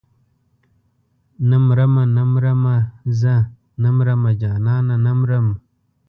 نه مرمه نه مرمه زه نه مرمه جانانه نه مرم.